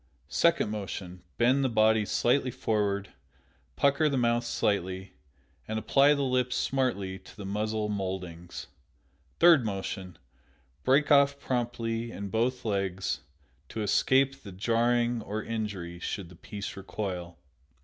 Second motion: Bend the body slightly forward, pucker the mouth slightly, and apply the lips smartly to the muzzle mouldings. Third motion: Break off promptly in both legs to escape the jarring or injury should the piece recoil.